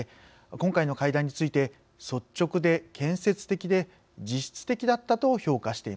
今回の会談について率直で建設的で実質的だったと評価しています。